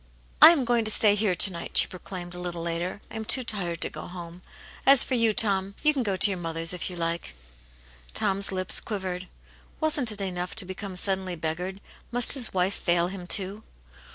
" I am going to stay here to night," she proclaimed a little later. " I am too tired to go home. As for you, Tom, you can go to your mother's if you like.'* Tom*s lips quivered. Wasn't it enough to become* suddenly beggared ; must his wife fail him, too